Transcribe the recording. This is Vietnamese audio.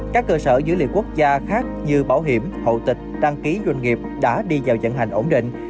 các cơ sở dữ liệu quốc gia khác như bảo hiểm hậu tịch đăng ký doanh nghiệp đã đi vào dẫn hành ổn định